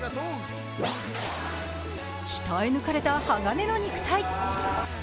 鍛え抜かれた鋼の肉体。